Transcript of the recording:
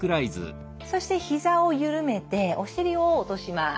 そしてひざを緩めてお尻を落とします。